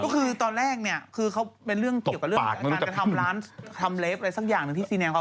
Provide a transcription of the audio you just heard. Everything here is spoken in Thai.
เขาของไปลงทุน